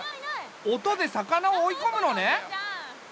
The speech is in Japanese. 音で魚を追いこむのね。